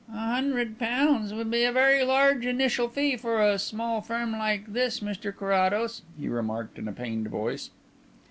"A hundred pounds would be a very large initial fee for a small firm like this, Mr Carrados," he remarked in a pained voice.